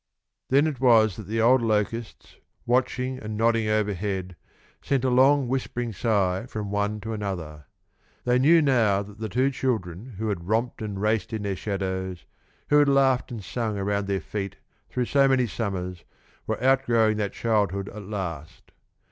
Then it was that the old locusts, watching and nodding overhead, sent a long whispering sigh from one to another. They knew now that the two children who had romped and raced in their shadows, who had laughed and sung around their feet through so many summers, were outgrowing that childhood at last.